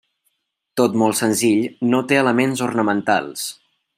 Tot molt senzill, no té elements ornamentals.